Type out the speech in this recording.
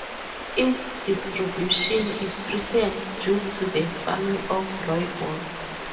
Its distribution is threatened due to the farming of rooibos.